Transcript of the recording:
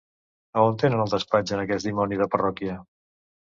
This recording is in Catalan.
- A on tenen el despatx en aquest dimoni de parròquia?